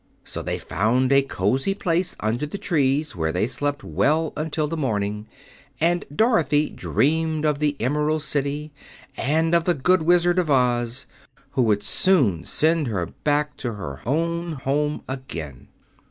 So they found a cozy place under the trees where they slept well until the morning; and Dorothy dreamed of the Emerald City, and of the good Wizard Oz, who would soon send her back to her own home again.